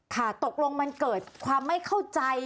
ค่ะตกลงมันเกิดความไม่เข้าใจ